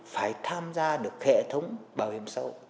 phải tham gia được hệ thống bảo hiểm sâu